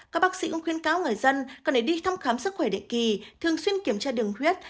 các bác sĩ cũng khuyên cáo người dân cần để đi thăm khám sức khỏe định kỳ thường xuyên kiểm tra đường huyết